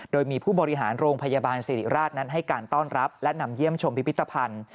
โดยมีผู้บริหารโรงพยาบาลสิริราชนั้นให้การต้อนรับและนำเยี่ยมชมพิพิธภัณฑ์